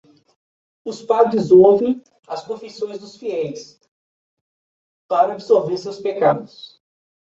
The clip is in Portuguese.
Os padres ouvem as confissões dos fiéis para absolver seus pecados.